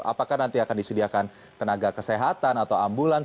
apakah nanti akan disediakan tenaga kesehatan atau ambulans